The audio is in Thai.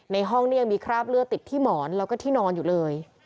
ห้องนี้ยังมีคราบเลือดติดที่หมอนแล้วก็ที่นอนอยู่เลย